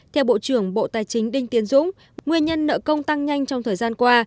theo bộ trưởng bộ tài chính đinh tiến dũng nguyên nhân nợ công tăng nhanh trong thời gian qua